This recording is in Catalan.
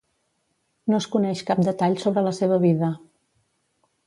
No es coneix cap detall sobre la seva vida.